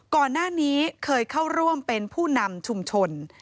ก่อนหน้านี้เคยเข้าร่วมเป็นผู้นำชุมชน